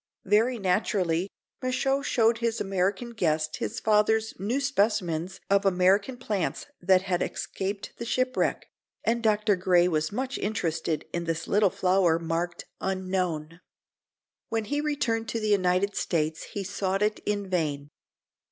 Very naturally Michaux showed his American guest his father's new specimens of American plants that had escaped the shipwreck, and Dr. Gray was much interested in this little flower, marked "Unknown." When he returned to the United States he sought it in vain.